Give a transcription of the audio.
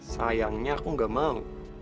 sayangnya aku gak mau